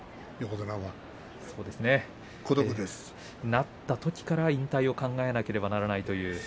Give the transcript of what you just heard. なったときから引退を考えなければいけないという。